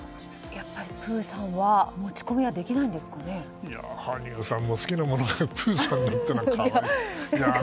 やっぱりプーさんは持ち込みは羽生さんも好きなものがプーさんって可愛い。